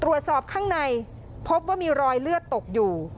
ตรวจสอบข้างในพบว่ามีรอยเลือดตกอยู่